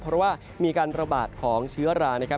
เพราะว่ามีการระบาดของเชื้อรานะครับ